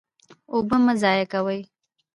اوبه مه ضایع کوئ